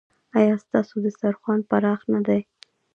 ایا ستاسو دسترخوان پراخ نه دی؟